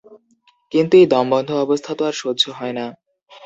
কিন্তু এই দমবন্ধ অবস্থা তো আর সহ্য হয় না।